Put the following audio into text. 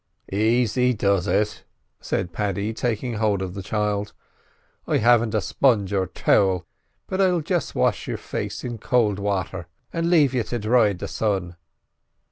"Aisy does it," said Paddy, taking hold of the child. "I haven't a sponge or towel, but I'll just wash your face in salt wather and lave you to dry in the sun."